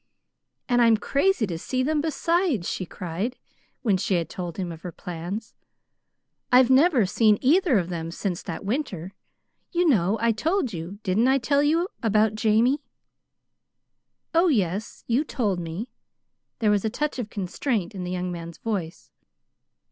"And I'm crazy to see them, besides," she cried, when she had told him of her plans. "I've never seen either of them since that winter. You know I told you didn't I tell you? about Jamie." "Oh, yes, you told me." There was a touch of constraint in the young man's voice.